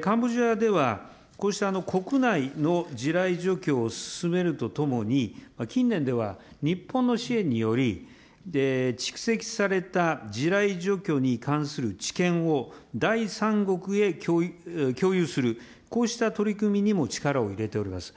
カンボジアでは、こうした国内の地雷除去を進めるとともに、近年では日本の支援により、蓄積された地雷除去に関する知見を第三国へ共有する、こうした取り組みにも力を入れております。